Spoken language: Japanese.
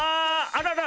あらら！